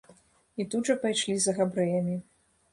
І тут жа пайшлі за габрэямі.